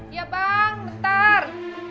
iya bang bentar